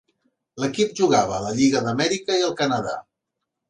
L'equip jugava a la Lliga d'Amèrica i el Canadà.